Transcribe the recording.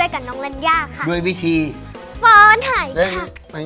ขอบคุณค่ะ